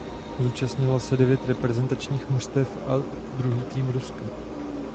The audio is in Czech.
Zúčastnilo se devět reprezentačních mužstev a druhý tým Ruska.